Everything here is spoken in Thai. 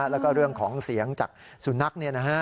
แล้วก็เรื่องของเสียงจากสุนัขเนี่ยนะฮะ